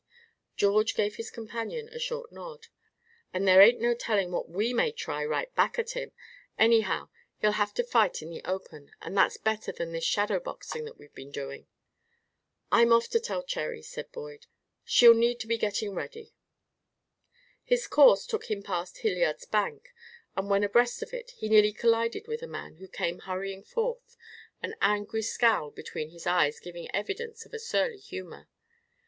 George gave his companion a short nod. "And there ain't no telling what we may try right back at him. Anyhow, he'll have to fight in the open, and that's better than this shadow boxing that we've been doing." "I'm off to tell Cherry," said Boyd. "She'll need to be getting ready." His course took him past Hilliard's bank, and when abreast of it he nearly collided with a man who came hurrying forth, an angry scowl between his eyes giving evidence of a surly humor.